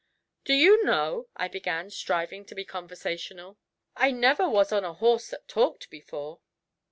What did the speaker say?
'Do you know,' I began, striving to be conversational, 'I never was on a horse that talked before.'